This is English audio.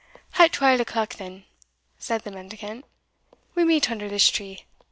"At twal o'clock, then," said the mendicant, "we meet under this tree.